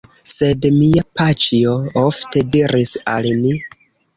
Sed mia paĉjo ofte diris al ni: